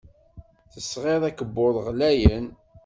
Tesɣiḍ akebbuḍ ɣlayen.